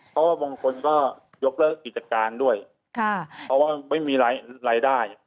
เพราะว่าบางคนก็ยกเลิกกิจการด้วยเพราะว่าไม่มีรายได้